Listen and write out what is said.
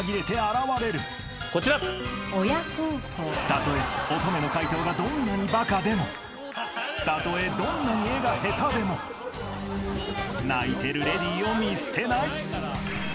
［たとえ乙女の解答がどんなにバカでもたとえどんなに絵が下手でも泣いてるレディーを見捨てない］